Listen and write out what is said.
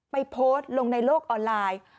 โพสต์ลงในโลกออนไลน์